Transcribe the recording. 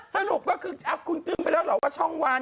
สรุปก็คือคุณตึ้งไปแล้วเหรอว่าช่องวัน